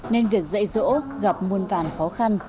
nên việc dạy rỗ gặp muôn vàn khó khăn